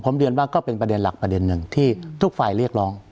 ผมเรียนว่าก็เป็นประเด็นหลักประเด็นหนึ่งที่ทุกฝ่ายเรียกร้อง